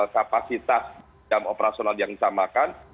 kapasitas jam operasional yang disamakan